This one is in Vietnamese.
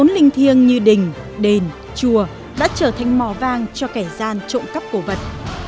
những linh thiêng như đình đền chùa đã trở thành mò vang cho kẻ gian trộn cắp cổ vật